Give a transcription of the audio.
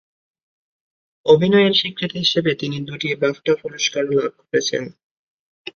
অভিনয়ের স্বীকৃতি হিসেবে তিনি দুটি বাফটা পুরস্কার লাভ করেছেন।